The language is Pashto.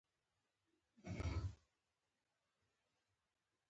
پرته له کوم ځنډه دروازې وتړل شوې.